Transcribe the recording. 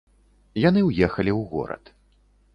Яны ўехалі ў горад.